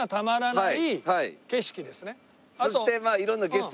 そして。